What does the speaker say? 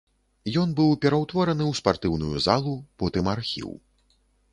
Ён быў пераўтвораны ў спартыўную залу, потым архіў.